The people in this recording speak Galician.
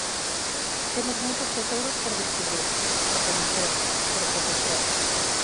Temos moitos tesouros por descubrir, por coñecer, por protexer.